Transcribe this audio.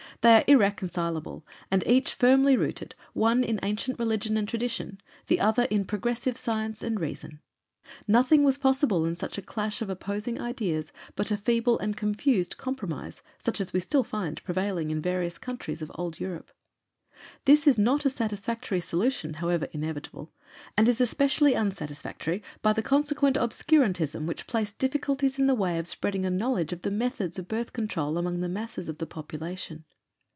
They are irreconcilable and each firmly rooted, one in ancient religion and tradition, the other in progressive science and reason. Nothing was possible in such a clash of opposing ideas but a feeble and confused compromise such as we find still prevailing in various countries of Old Europe. This is not a satisfactory solution, however inevitable, and is especially unsatisfactory by the consequent obscurantism which placed difficulties in the way of spreading a knowledge of the methods of Birth Control among the masses of the population.